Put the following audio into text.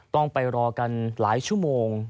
ต้องไปรอกันหลายชั่วโมง